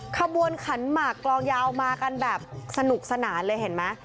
ขบวนขันหมากกลองยาวมากันแบบสนุกสนานเลยเห็นไหม